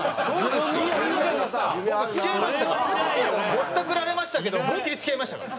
ぼったくられましたけど思いっ切り付き合いましたからね。